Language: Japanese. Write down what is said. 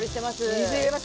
水入れます。